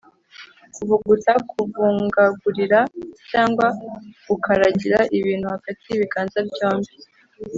kuvuguta: kuvungagurira cyangwa gukaragira ibintu hagati y’ibiganza byombi